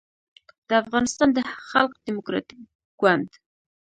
د افغانستان د خلق دیموکراتیک ګوند